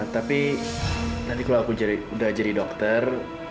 tapi nanti kalau aku udah jadi dokter